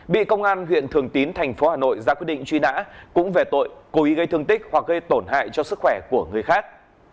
bị công an huyện thường tín thành phố hà nội ra quyết định truy nã cũng về tội cố ý gây thương tích hoặc gây tổn hại cho sức khỏe của người khác